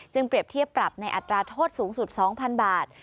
เปรียบเทียบปรับในอัตราโทษสูงสุด๒๐๐๐บาท